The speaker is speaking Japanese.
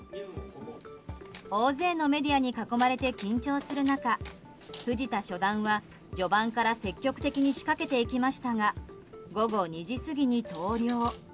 大勢のメディアに囲まれて緊張する中藤田初段は序盤から積極的に仕掛けていきましたが午後２時過ぎに投了。